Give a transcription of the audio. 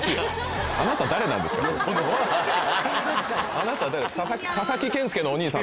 あなた誰？